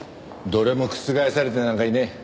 どれも覆されてなんかいねえ。